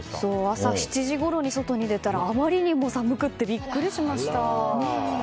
朝７時ごろに外に出たらあまりにも寒くてびっくりしました。